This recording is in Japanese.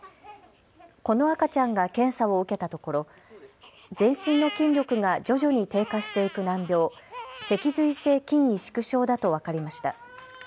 この赤ちゃんが検査を受けたところ、全身の筋力が徐々に低下していく難病、脊髄性筋萎縮症だと分かりました。